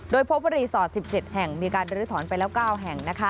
โดยพบว่ารีสอร์ท๑๗แห่งมีการลื้อถอนไปแล้ว๙แห่ง